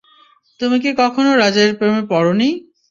তুমি কি কখনও রাজের প্রেমে পড়নি?